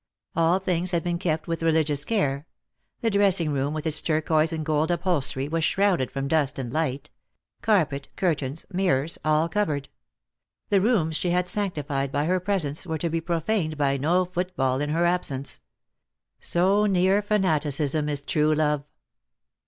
All things had been kept with religious care ; the dressing room, with its turquoise and gold upholstery, was shrouded from dust and light; carpet, curtains, mirrors, all covered. The rooms she had sanctified by her presence were to be profaned by no footfall in her absence. So near fanaticism is true love